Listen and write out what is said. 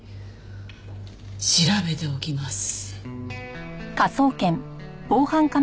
調べておきます。